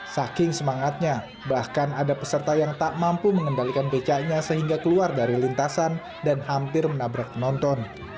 saking semangatnya bahkan ada peserta yang tak mampu mengendalikan becaknya sehingga keluar dari lintasan dan hampir menabrak penonton